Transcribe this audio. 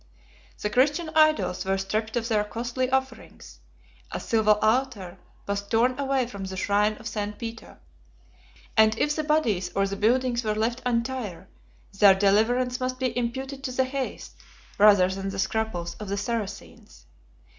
The Christian idols were stripped of their costly offerings; a silver altar was torn away from the shrine of St. Peter; and if the bodies or the buildings were left entire, their deliverance must be imputed to the haste, rather than the scruples, of the Saracens.